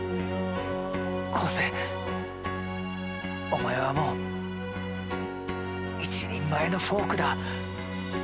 お前はもう一人前のフォークだ。